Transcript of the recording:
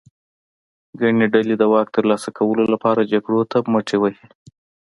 ګڼې ډلې د واک ترلاسه کولو لپاره جګړو ته مټې وهي.